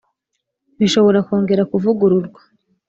bishobora kongera kuvugururwa